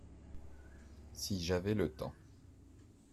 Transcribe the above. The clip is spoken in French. Si j’avais le temps.